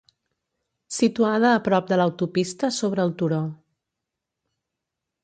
Situada a prop de l'autopista sobre el turó.